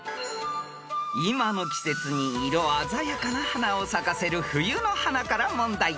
［今の季節に色鮮やかな花を咲かせる冬の花から問題］